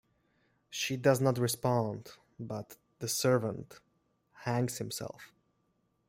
She does not respond, but the servant hangs himself.